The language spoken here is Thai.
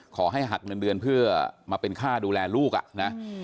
ขอให้หักเงินเดือนเพื่อมาเป็นค่าดูแลลูกอ่ะนะ